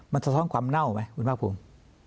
มันสะท้อนความเน่าไหมคุณภาคภูมิ